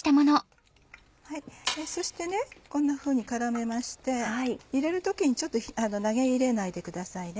そしてこんなふうに絡めまして入れる時に投げ入れないでくださいね。